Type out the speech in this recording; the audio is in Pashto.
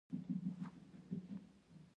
جميله هغه دلاسا کړل: سمه ده، سمه ده.